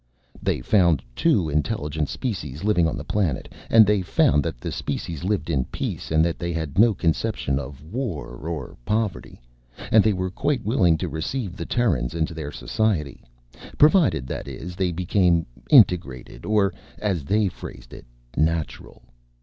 They found two intelligent species living on the planet, and they found that the species lived in peace and that they had no conception of war or of poverty. And they were quite willing to receive the Terrans into their society. Provided, that is, they became integrated, or as they phrased it natural.